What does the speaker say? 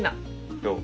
どう？